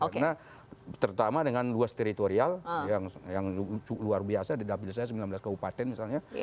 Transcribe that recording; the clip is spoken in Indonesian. karena terutama dengan luas teritorial yang luar biasa di dapil saya sembilan belas keupatan misalnya